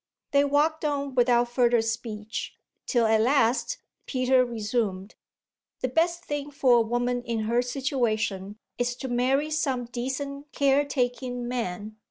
They walked on without further speech till at last Peter resumed: "The best thing for a woman in her situation is to marry some decent care taking man."